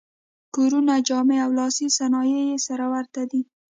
کورونه، جامې او لاسي صنایع یې سره ورته دي.